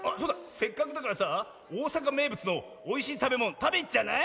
せっかくだからさあおおさかめいぶつのおいしいたべものたべにいっちゃわない？